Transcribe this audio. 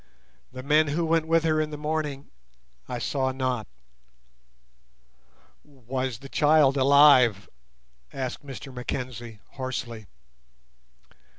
The men who went with her in the morning I saw not." "Was the child alive?" asked Mr Mackenzie, hoarsely.